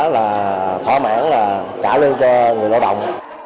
là thỏa mãn là trả lương cho người lao động